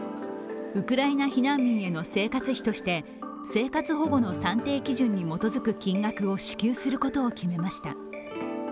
ウクライナ避難民への生活費として生活保護の算定基準に基づく金額を支給することを決めました。